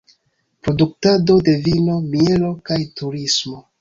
Produktado de vino, mielo kaj turismo.